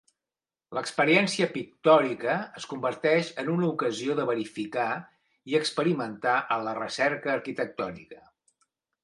L'experiència pictòrica es converteix en una ocasió de verificar i experimentar en la recerca arquitectònica.